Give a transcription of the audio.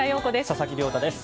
佐々木亮太です。